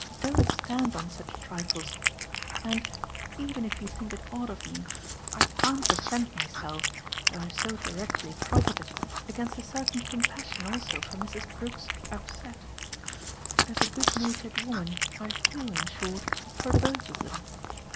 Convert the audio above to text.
don't stand on such trifles; and even if you think it odd of me I can't defend myself, though I've so directly profited, against a certain compassion also for Mrs. Brook's upset. As a good natured woman I feel in short for both of them.